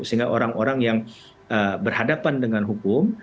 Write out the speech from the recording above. sehingga orang orang yang berhadapan dengan hukum